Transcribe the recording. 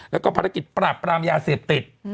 แล้วก็ภารกิจปราบปรามยาเสพติด